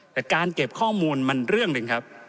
แต่การเก็บข้อมูลมันเรื่องหนึ่งครับ